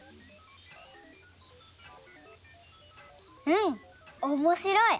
うんおもしろい。